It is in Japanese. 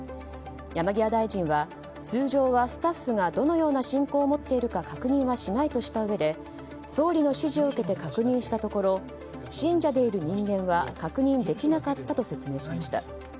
山際大臣は、通常はスタッフがどのような信仰を持っているか確認はしないとしたうえで総理の指示を受けて確認したところ信者でいる人間は確認できなかったと説明しました。